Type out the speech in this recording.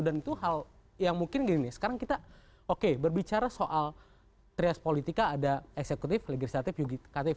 dan itu hal yang mungkin gini nih sekarang kita oke berbicara soal trias politika ada eksekutif legislatif yugisatif